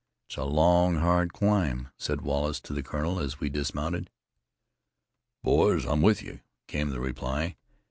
"It's a long, hard climb," said Wallace to the Colonel, as we dismounted. "Boys, I'm with you," came the reply.